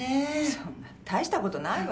そんな大したことないわよ。